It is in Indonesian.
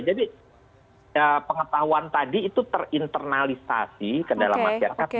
jadi pengetahuan tadi itu terinternalisasi ke dalam masyarakat oke